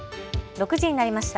６時になりました。